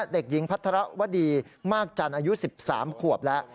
เด็กหญิงพัฒระวดีมากจันทร์อายุ๑๓ขวบแล้ว